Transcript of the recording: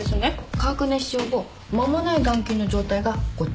化学熱傷後間もない眼球の状態がこっち。